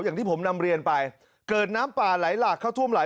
อย่างที่ผมนำเรียนไปเกิดน้ำป่าไหลหลากเข้าท่วมไหล